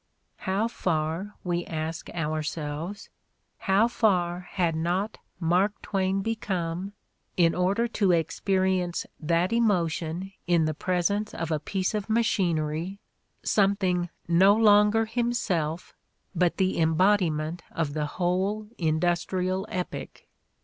How far, we ask ourselves, how far had not Mark Twain become, in order to experience that emotion in the presence of a piece of machinery, something no longer himself but the embodiment of the whole industrial epoch?